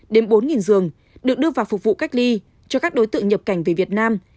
đến bốn giường được đưa vào phục vụ cách ly cho các đối tượng nhập cảnh về việt nam